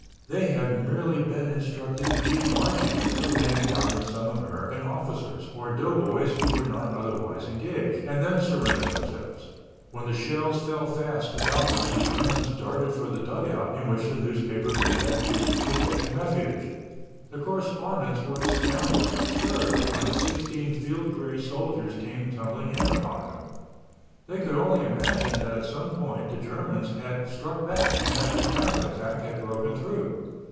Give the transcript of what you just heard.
They had merely been instructed to keep marching until they encountered some American officers or doughboys who were not otherwise engaged, and then surrender themselves. When the shells fell fast about them the Germans darted for the dugout in which the newspaper men had previously taken refuge. The correspondents were astounded and disturbed when sixteen field gray soldiers came tumbling in upon them. They could only imagine that at some point the Germans had struck back and that the counter attack had broken through.